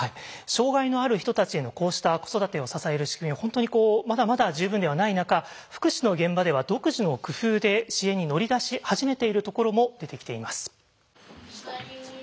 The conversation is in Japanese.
障害のある人たちへのこうした子育てを支える仕組みは本当にまだまだ十分ではない中福祉の現場では独自の工夫で支援に乗り出し始めているところも出てきています。